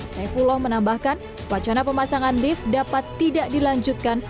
saifullah menambahkan wacana pemasangan lift dapat tidak dilanjutkan